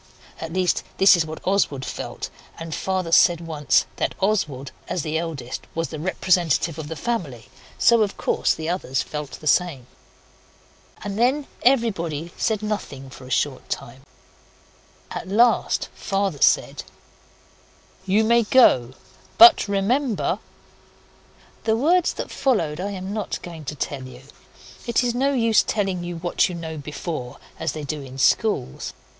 At least, this is what Oswald felt, and Father said once that Oswald, as the eldest, was the representative of the family, so, of course, the others felt the same. And then everybody said nothing for a short time. At last Father said 'You may go but remember ' The words that followed I am not going to tell you. It is no use telling you what you know before as they do in schools.